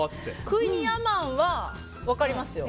クイニーアマンは分かりますよ。